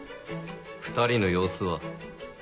２人の様子は？